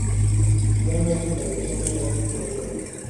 Finalmente, la sesión no prosperó.